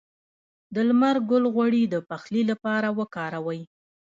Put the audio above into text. د لمر ګل غوړي د پخلي لپاره وکاروئ